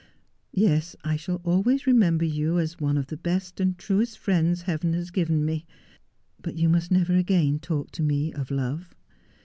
Yes, I shall always remember you as one of the best and truest friends Heaven has given me. But you must never again talk to me of love.